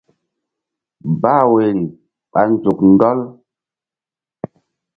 Bah woyri ɓa nzuk ɗɔl.